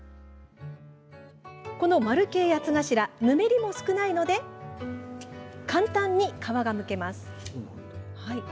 この丸系八つ頭、ぬめりも少ないので簡単に皮がむけます。